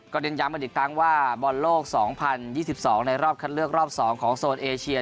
เน้นย้ำกันอีกครั้งว่าบอลโลก๒๐๒๒ในรอบคัดเลือกรอบ๒ของโซนเอเชีย